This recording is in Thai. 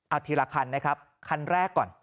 เอาทีละคันนะครับคันแรกก่อน